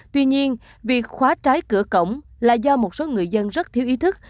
tuy nhiên việc khóa trái cửa cổng là do một số người dân rất thiếu ý thức